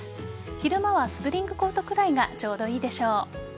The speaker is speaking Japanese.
昼間はスプリングコートくらいがちょうどいいでしょう。